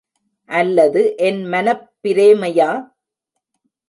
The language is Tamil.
அல்லது என் மனப்பிரேமையா?